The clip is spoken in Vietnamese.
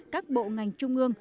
các bộ ngành trung ương